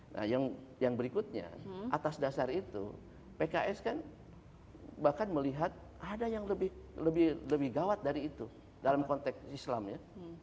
nah yang berikutnya atas dasar itu pks kan bahkan melihat ada yang lebih gawat dari itu dalam konteks islam ya